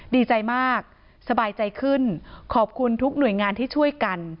ดีใจมากสบายใจขึ้นขอบคุณทุกหน่วยงานที่ช่วยกัน